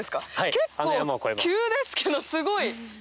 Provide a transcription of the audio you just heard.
結構急ですけどすごい。